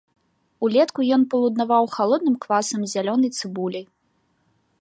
Улетку ён палуднаваў халодным квасам з зялёнай цыбуляй.